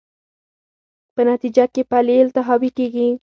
په نتېجه کې پلې التهابي کېږي.